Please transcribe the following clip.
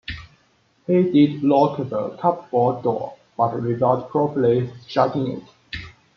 He did lock the cupboard door; but without properly shutting it.